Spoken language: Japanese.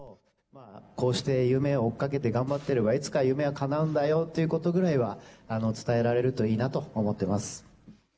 こうして夢を追っかけて頑張ってれば、いつかは夢はかなうんだよということぐらいは、伝えられるといいなと思ってます。